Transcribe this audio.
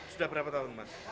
sudah berapa tahun mas